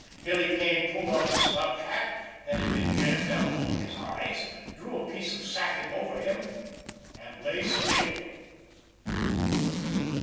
Billy Kane pulled off his slouch hat, that had been jammed down over his eyes, drew a piece of the sacking over him, and lay still.